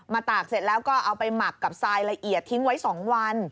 ตากเสร็จแล้วก็เอาไปหมักกับทรายละเอียดทิ้งไว้๒วัน